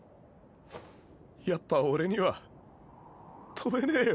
やっぱ俺には飛べねぇよ。